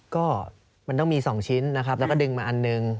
ก็มันต้องมี๒ชิ้นนะครับแล้วก็ดึงมาอันหนึ่ง